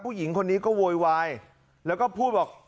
ผู้หญิงคนนี้ก็โวยวายแล้วก็พูดบอก